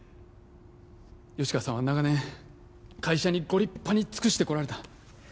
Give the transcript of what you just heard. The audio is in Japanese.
吉川さんは長年会社にご立派に尽くしてこられた